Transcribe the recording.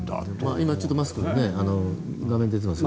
今、ちょっとマスク画面に出ていますが。